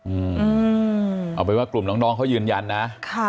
อืมเอาไปว่ากลุ่มน้องน้องเขายืนยันนะค่ะ